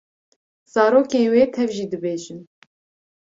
Zarokên wê tev jî dibêjin.